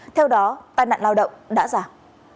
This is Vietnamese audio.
theo đó tai nạn lao động đã giảm